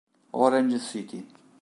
Orange City